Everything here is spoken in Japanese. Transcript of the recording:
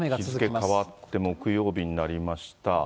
日付変わって木曜日になりました。